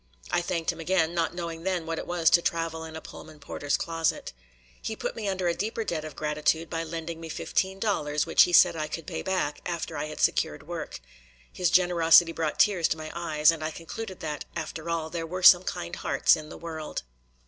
I thanked him again, not knowing then what it was to travel in a Pullman porter's closet. He put me under a deeper debt of gratitude by lending me fifteen dollars, which he said I could pay back after I had secured work. His generosity brought tears to my eyes, and I concluded that, after all, there were some kind hearts in the world.